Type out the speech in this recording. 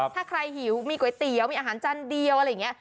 ถ้าใครหิวมีก๋วยเตี๋ยวมีอาหารจานเดียวอะไรอย่างนี้